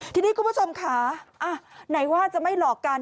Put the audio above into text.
ทีนี้คุณผู้ชมค่ะไหนว่าจะไม่หลอกกัน